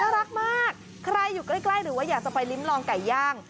รักมากใครอยู่ใกล้หรือว่าอยากจะไปลิ้มลองไก่ย่าง